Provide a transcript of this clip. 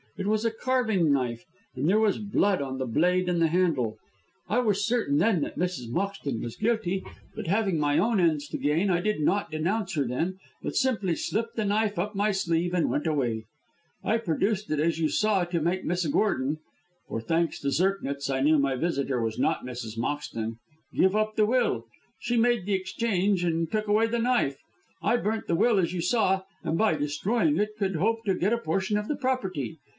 It was a carving knife, and there was blood on the blade and the handle. I was certain then that Mrs. Moxton was guilty, but having my own ends to gain I did not denounce her then, but simply slipped the knife up my sleeve and went away. I produced it as you saw to make Miss Gordon for thanks to Zirknitz I knew my visitor was not Mrs. Moxton give up the will. She made the exchange and took away the knife. I burnt the will as you saw, and by destroying it could hope to get a portion of the property.